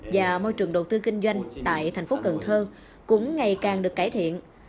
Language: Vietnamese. và môi trường đầu tư kinh doanh tại thành phố cần thơ cũng ngày càng được cải thiện